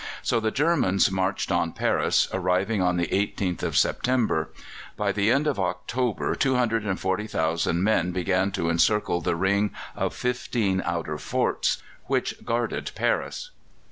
So the Germans marched on Paris, arriving on the 18th of September. By the end of October 240,000 men began to encircle the ring of fifteen outer forts which guarded Paris.